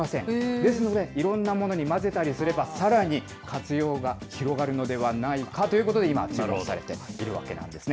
ですので、いろんなものに混ぜたりすれば、さらに活用が広がるのではないかということで、今、注目されているわけなんですね。